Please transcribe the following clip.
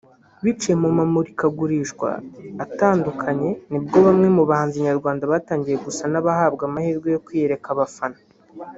Biciye mu ma murikagurishwa atandukanye nibwo bamwe mu bahanzi nyarwanda batangiye gusa n'abahabwa amahirwe yo kwiyereka abafana